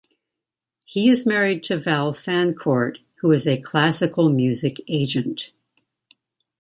He is married to Val Fancourt, who is a classical music agent.